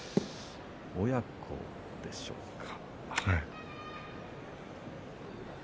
親子でしょうか。